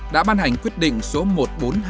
đã ban hành quyết định số một nghìn bốn trăm hai mươi bảy